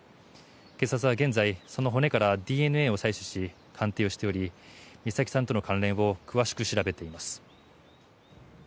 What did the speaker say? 警察は現在その骨からＤＮＡを採取し鑑定をしており美咲さんとの関連を詳しく調べています。